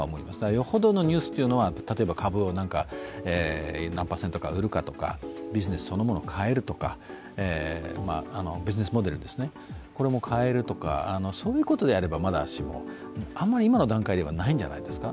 よほどのニュースというのは、例えば株を何％か売るかとか、ビジネスモデルそのものを変えるとか、これも変えるとか、そういうことであればまだしも、あまり今の段階ではないんじゃないですか。